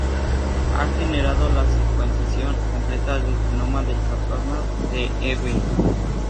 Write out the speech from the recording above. Han generado la secuenciación completa del genoma del Sarcoma de Ewing.